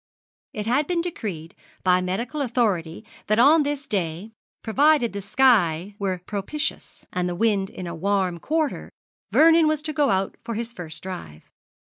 It had been decreed by medical authority that on this day, provided the sky were propitious and the wind in a warm quarter, Vernon was to go out for his first drive.